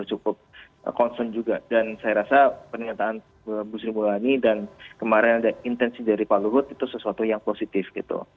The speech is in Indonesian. cukup concern juga dan saya rasa pernyataan bu sri mulyani dan kemarin ada intensi dari pak luhut itu sesuatu yang positif gitu